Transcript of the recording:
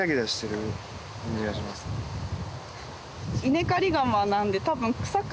稲刈り鎌なんで多分。